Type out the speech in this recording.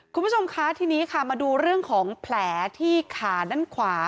คุณผู้ชมคะทีนี้ค่ะมาดูเรื่องของแผลที่ขาด้านขวา